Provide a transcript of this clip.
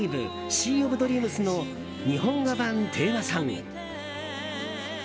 シー・オブ・ドリームス」の日本語版テーマソング。